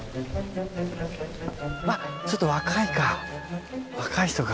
あっちょっと若いか若い人か。